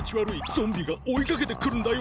ゾンビがおいかけてくるんだよ。